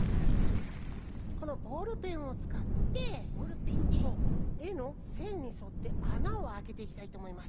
このボールペンをつかってえのせんにそってあなをあけていきたいとおもいます。